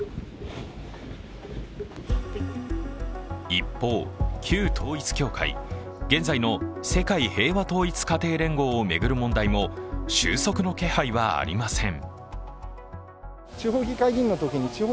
一方、旧統一教会、現在の世界平和統一家庭連合を巡る問題も、収束の気配はありません。